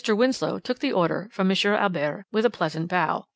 Winslow took the order from M. Albert with a pleasant bow.